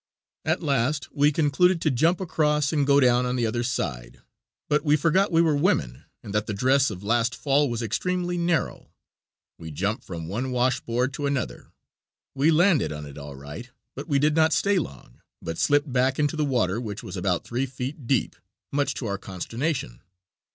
At last we concluded to jump across and go down on the other side, but we forgot we were women and that the dress of last fall was extremely narrow. We jumped from one washboard to another. We landed on it all right, but we did not stay long, but slipped back into the water, which was about three feet deep, much to our consternation.